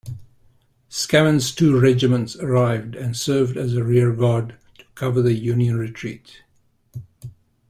Scammon's two regiments arrived and served as a rear-guard to cover the Union retreat.